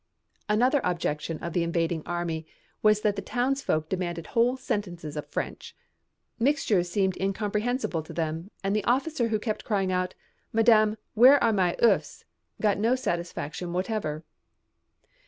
Another objection of the invading army was that the townsfolk demanded whole sentences of French. Mixtures seemed incomprehensible to them and the officer who kept crying out, "Madame, where are my oeufs?" got no satisfaction whatever.